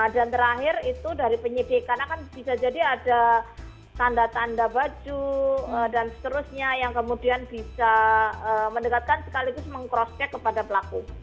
terakhir itu dari penyidik karena kan bisa jadi ada tanda tanda baju dan seterusnya yang kemudian bisa mendekatkan sekaligus meng cross check kepada pelaku